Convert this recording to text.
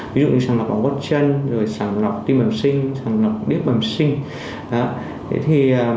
ví dụ như sàng lọc bóng gót chân rồi sàng lọc tim bẩm sinh sàng lọc điếp bẩm sinh